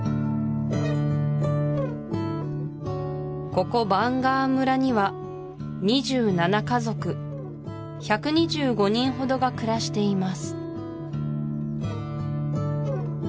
ここバンガアン村には２７家族１２５人ほどが暮らしています